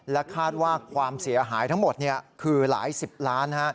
คาดว่าความเสียหายทั้งหมดคือหลายสิบล้าน